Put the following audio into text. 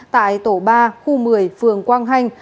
tại tổ ba khu một mươi phường quang hành